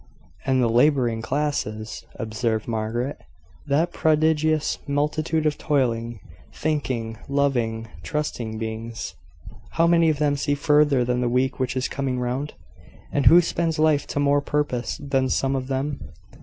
"And the labouring classes," observed Margaret "that prodigious multitude of toiling, thinking, loving, trusting beings! How many of them see further than the week which is coming round? And who spends life to more purpose than some of them?